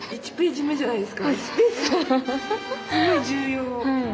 すごい重要！